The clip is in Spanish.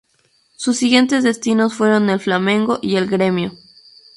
Sus siguientes destinos fueron el Flamengo y el Gremio.